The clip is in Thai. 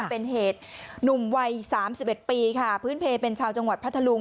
เป็นเหตุหนุ่มวัย๓๑ปีค่ะพื้นเพลเป็นชาวจังหวัดพัทธลุง